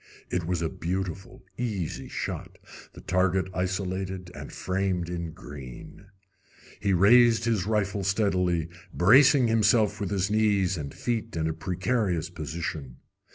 It was a beautiful, easy shot, the target isolated and framed in green. He raised his rifle steadily, bracing himself with knees and feet in a precarious position.